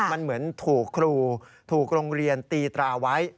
มันเหมือนถูกครูถูกโรงเรียนตีตราไว้